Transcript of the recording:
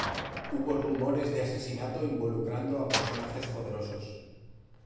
Hubo rumores de asesinato involucrando a personajes poderosos.